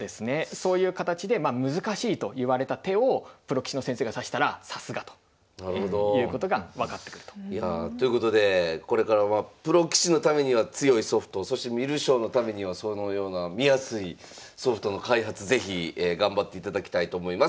そういう形で難しいといわれた手をプロ棋士の先生が指したらさすがということが分かってくると。ということでこれからまあプロ棋士のためには強いソフトそして観る将のためにはそのような見やすいソフトの開発是非頑張っていただきたいと思います。